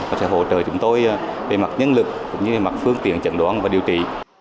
và sẽ hỗ trợ chúng tôi về mặt nhân lực cũng như mặt phương tiện chẩn đoán và điều trị